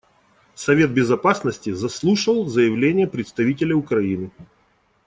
Совет Безопасности заслушал заявление представителя Украины.